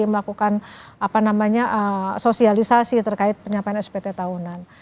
melakukan sosialisasi terkait penyampaian spt tahunan